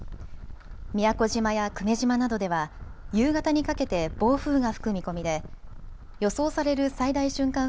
宮古島や久米島などでは夕方にかけて暴風が吹く見込みで予想される最大瞬間